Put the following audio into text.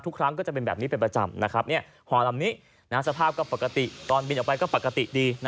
ทุกครั้งก็จะเป็นแบบนี้เป็นประจำนะครับห่อลำนี้สภาพก็ปกติตอนบินออกไปก็ปกติดี